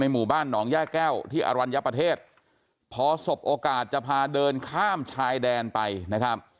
หมู่บ้านหนองย่าแก้วที่อรัญญประเทศพอสบโอกาสจะพาเดินข้ามชายแดนไปนะครับ